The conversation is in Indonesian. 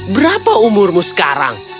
berapa umurmu sekarang